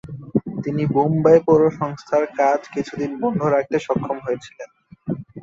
তিনি বোম্বাই পৌরসংস্থার কাজ কিছুদিন বন্ধ রাখতে সক্ষম হয়েছিলেন।